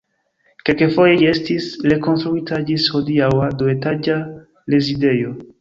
Kelkfoje ĝi estis rekonstruita ĝis hodiaŭa duetaĝa rezidejo.